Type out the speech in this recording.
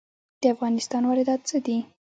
د افغانستان واردات څه دي؟